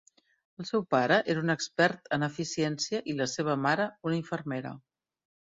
El seu pare era un expert en eficiència i la seva mare una infermera.